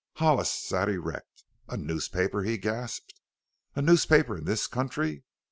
Hollis sat erect. "A newspaper!" he gasped. "A newspaper in this country?